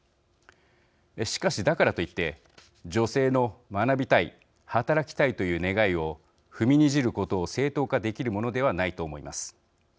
しかし、だからといって女性の学びたい、働きたいという願いを踏みにじることを正当化できるものではないと思います。